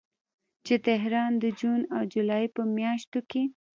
چې تهران د جون او جولای په میاشتو کې